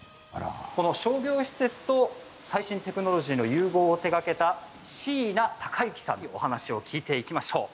この商業施設と最新テクノロジーの融合を手がけた椎名隆之さんにお話を聞いていきましょう。